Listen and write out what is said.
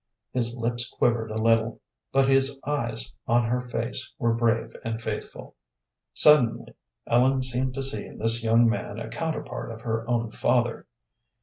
His lips quivered a little, but his eyes on her face were brave and faithful. Suddenly Ellen seemed to see in this young man a counterpart of her own father.